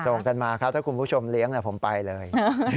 ส่งกันมาครับถ้าคุณผู้ชมเลี้ยงผมไปเลย